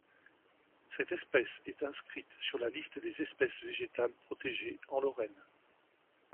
Cette espèce est inscrite sur la Liste des espèces végétales protégées en Lorraine.